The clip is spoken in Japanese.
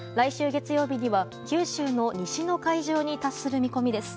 月曜日には九州の西の海上に達する見込みです。